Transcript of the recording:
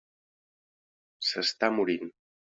S'està morint.